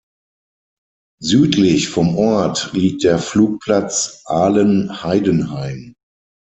Südlich vom Ort liegt der Flugplatz Aalen-Heidenheim.